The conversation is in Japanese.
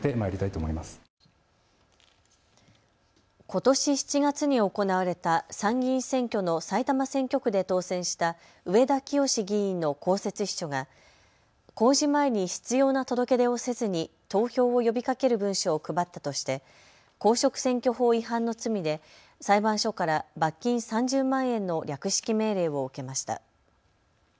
ことし７月に行われた参議院選挙の埼玉選挙区で当選した上田清司議員の公設秘書が公示前に必要な届け出をせずに投票を呼びかける文書を配ったとして公職選挙法違反の罪で裁判所から罰金３０万円の略式命令を受けました。